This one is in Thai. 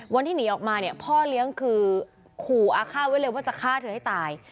วันที่หนีออกมาเนี่ยพ่อเลี้ยงคือขู่อาฆาตไว้เลยว่าจะฆ่าเธอให้ตาย